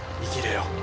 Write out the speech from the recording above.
生きれよ。